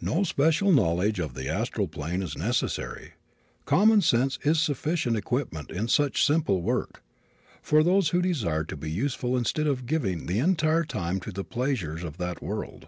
No special knowledge of the astral plane is necessary. Common sense is a sufficient equipment, in such simple work, for those who desire to be useful instead of giving the entire time to the pleasures of that world.